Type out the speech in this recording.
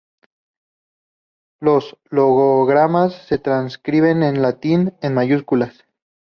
Los logogramas se transcriben en latín en mayúsculas.